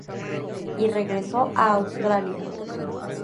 Y regresó a Australia.